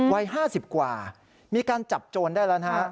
วัย๕๐กว่ามีการจับโจรได้แล้วนะฮะ